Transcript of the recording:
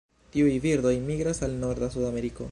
Tiuj birdoj migras al norda Sudameriko.